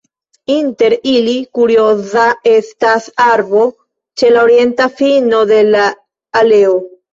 Inter ili kurioza estas arbo ĉe la orienta fino de la aleo.